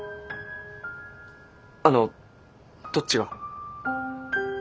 あのどっちが。